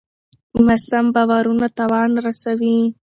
ناسم باورونه تاوان رسوي.